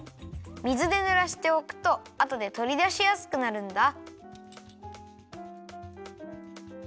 水でぬらしておくとあとでとりだしやすくなるんだ。